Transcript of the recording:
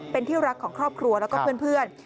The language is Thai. เป็นที่รักของครอบครัวแล้วก็เพื่อน